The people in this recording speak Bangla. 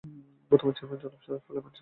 বর্তমান চেয়ারম্যান- জনাব সোলায়মান কবীর